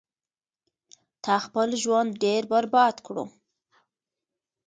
تا خپل ژوند ډیر برباد کړو